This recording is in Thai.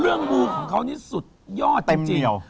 มูของเขานี่สุดยอดจริง